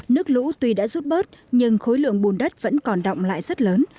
nước lũ tuy đã rút bớt nhưng khối lượng bùn đất vẫn còn động lại rất lớn